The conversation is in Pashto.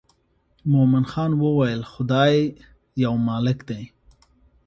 مومن خان وویل خدای یو مالک دی.